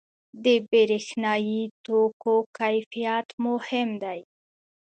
• د برېښنايي توکو کیفیت مهم دی.